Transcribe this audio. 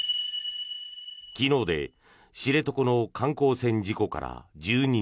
昨日で知床の観光船事故から１２日。